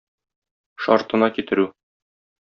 Шартына китерү.